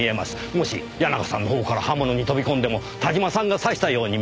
もし谷中さんのほうから刃物に飛び込んでも田島さんが刺したように見える。